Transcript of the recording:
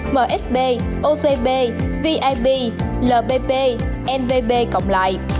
msb ocb vib lbb nvb cộng lại